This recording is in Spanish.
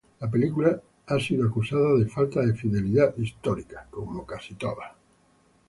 La película ha sido acusada de falta de fidelidad histórica.